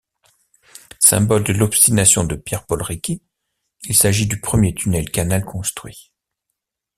Symbole de l'obstination de Pierre-Paul Riquet, il s'agit du premier tunnel-canal construit.